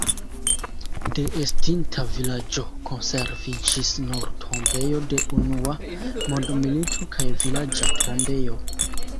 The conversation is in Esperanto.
De estinta vilaĝo konserviĝis nur tombejo de Unua mondmilito kaj vilaĝa tombejo.